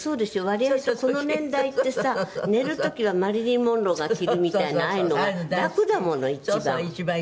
割合とこの年代ってさ寝る時はマリリン・モンローが着るみたいなああいうのが楽だもの一番。